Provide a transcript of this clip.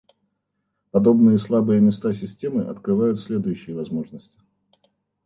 Подобные слабые места системы открывают следующие возможности